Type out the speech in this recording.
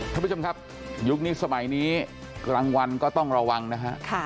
ท่านผู้ชมครับยุคนี้สมัยนี้กลางวันก็ต้องระวังนะฮะ